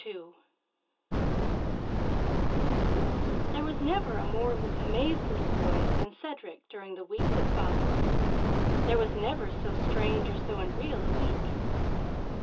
II There was never a more amazed little boy than Cedric during the week that followed; there was never so strange or so unreal a week.